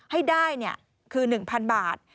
ให้ได้คือ๑๐๐๐บาท